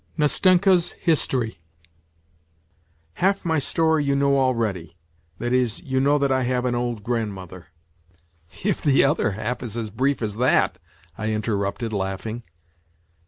NASTENKA'S HISTORY " Half my story you know already that is, you know that I have an old grandmother. ..." 24 WHITE NIGHTS " If the other half is as brief as that ..." I interrupted, laughing.